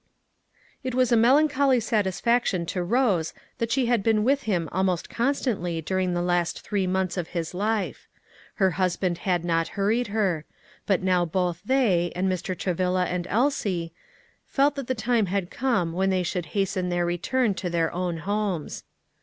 It was a melancholy satisfaction to Rose that she had been with him almost constantly during the last three months of his life; her husband had not hurried her; but now both they, and Mr. Travilla and Elsie, felt that the time had come when they should hasten their return to their own homes.